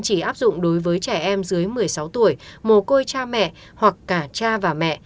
chỉ áp dụng đối với trẻ em dưới một mươi sáu tuổi mồ côi cha mẹ hoặc cả cha và mẹ